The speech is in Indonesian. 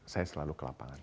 saya selalu ke lapangan